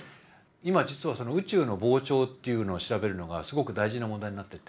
今実はその宇宙の膨張っていうのを調べるのがすごく大事な問題になってて。